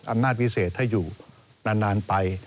อำนาจพิเศษถ้าอยู่นานไป